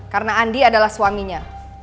karena andi adalah suaminya